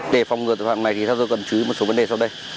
để phòng ngừa tài khoản này thì ta cần chú ý một số vấn đề sau đây